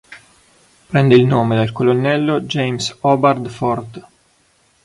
Prende il nome dal colonnello James Hobart Ford.